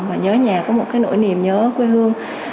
và nhớ nhà có một cái nỗi niềm nhớ quê hương